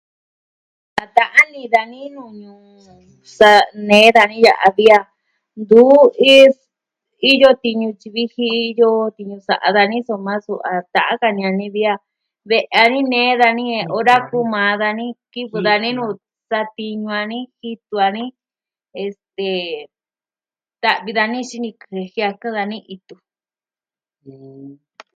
Da ta'an ini dani nuu ñuu sa nee dani ya'a a vi a... ntu is... iyo tiñu tyi viji, iyo tiñu sa'a dani soma su a ta'an ini dani vi a ve'i dani nee dani ora kuu maa dani kivɨ dani nuu satiñu dani, jitu dani, este... ta'vi dani jin xinikɨ jen jiakɨn dani itu.